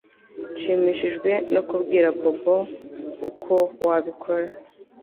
Nshimishijwe no kubwira Bobo uko wabikora